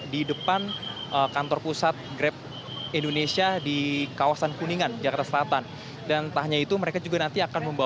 di depan kantor pengemudi